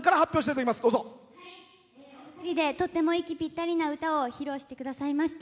お二人でとっても息ぴったりな歌を披露してくださいました